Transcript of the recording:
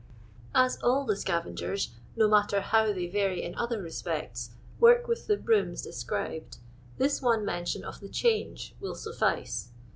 As all the scavengers, no matter how they var}' in other respects, work with the brooms described, this one mention of the change will suffice.